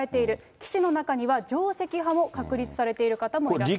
棋士の中には定跡派も確立されてる方いらっしゃる。